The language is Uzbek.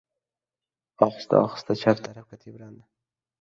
Ohista-ohista chap tarafiga tebrandi.